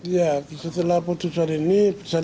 ya setelah putusan ini